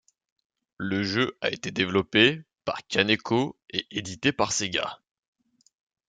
Le jeu a été développé par Kaneko et édité par Sega.